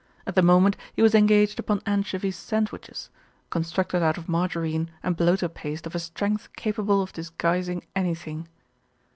At the moment he was engaged upon anchovy sandwiches, constructed out of margarine and bloater paste of a strength capa ble of disguising anything.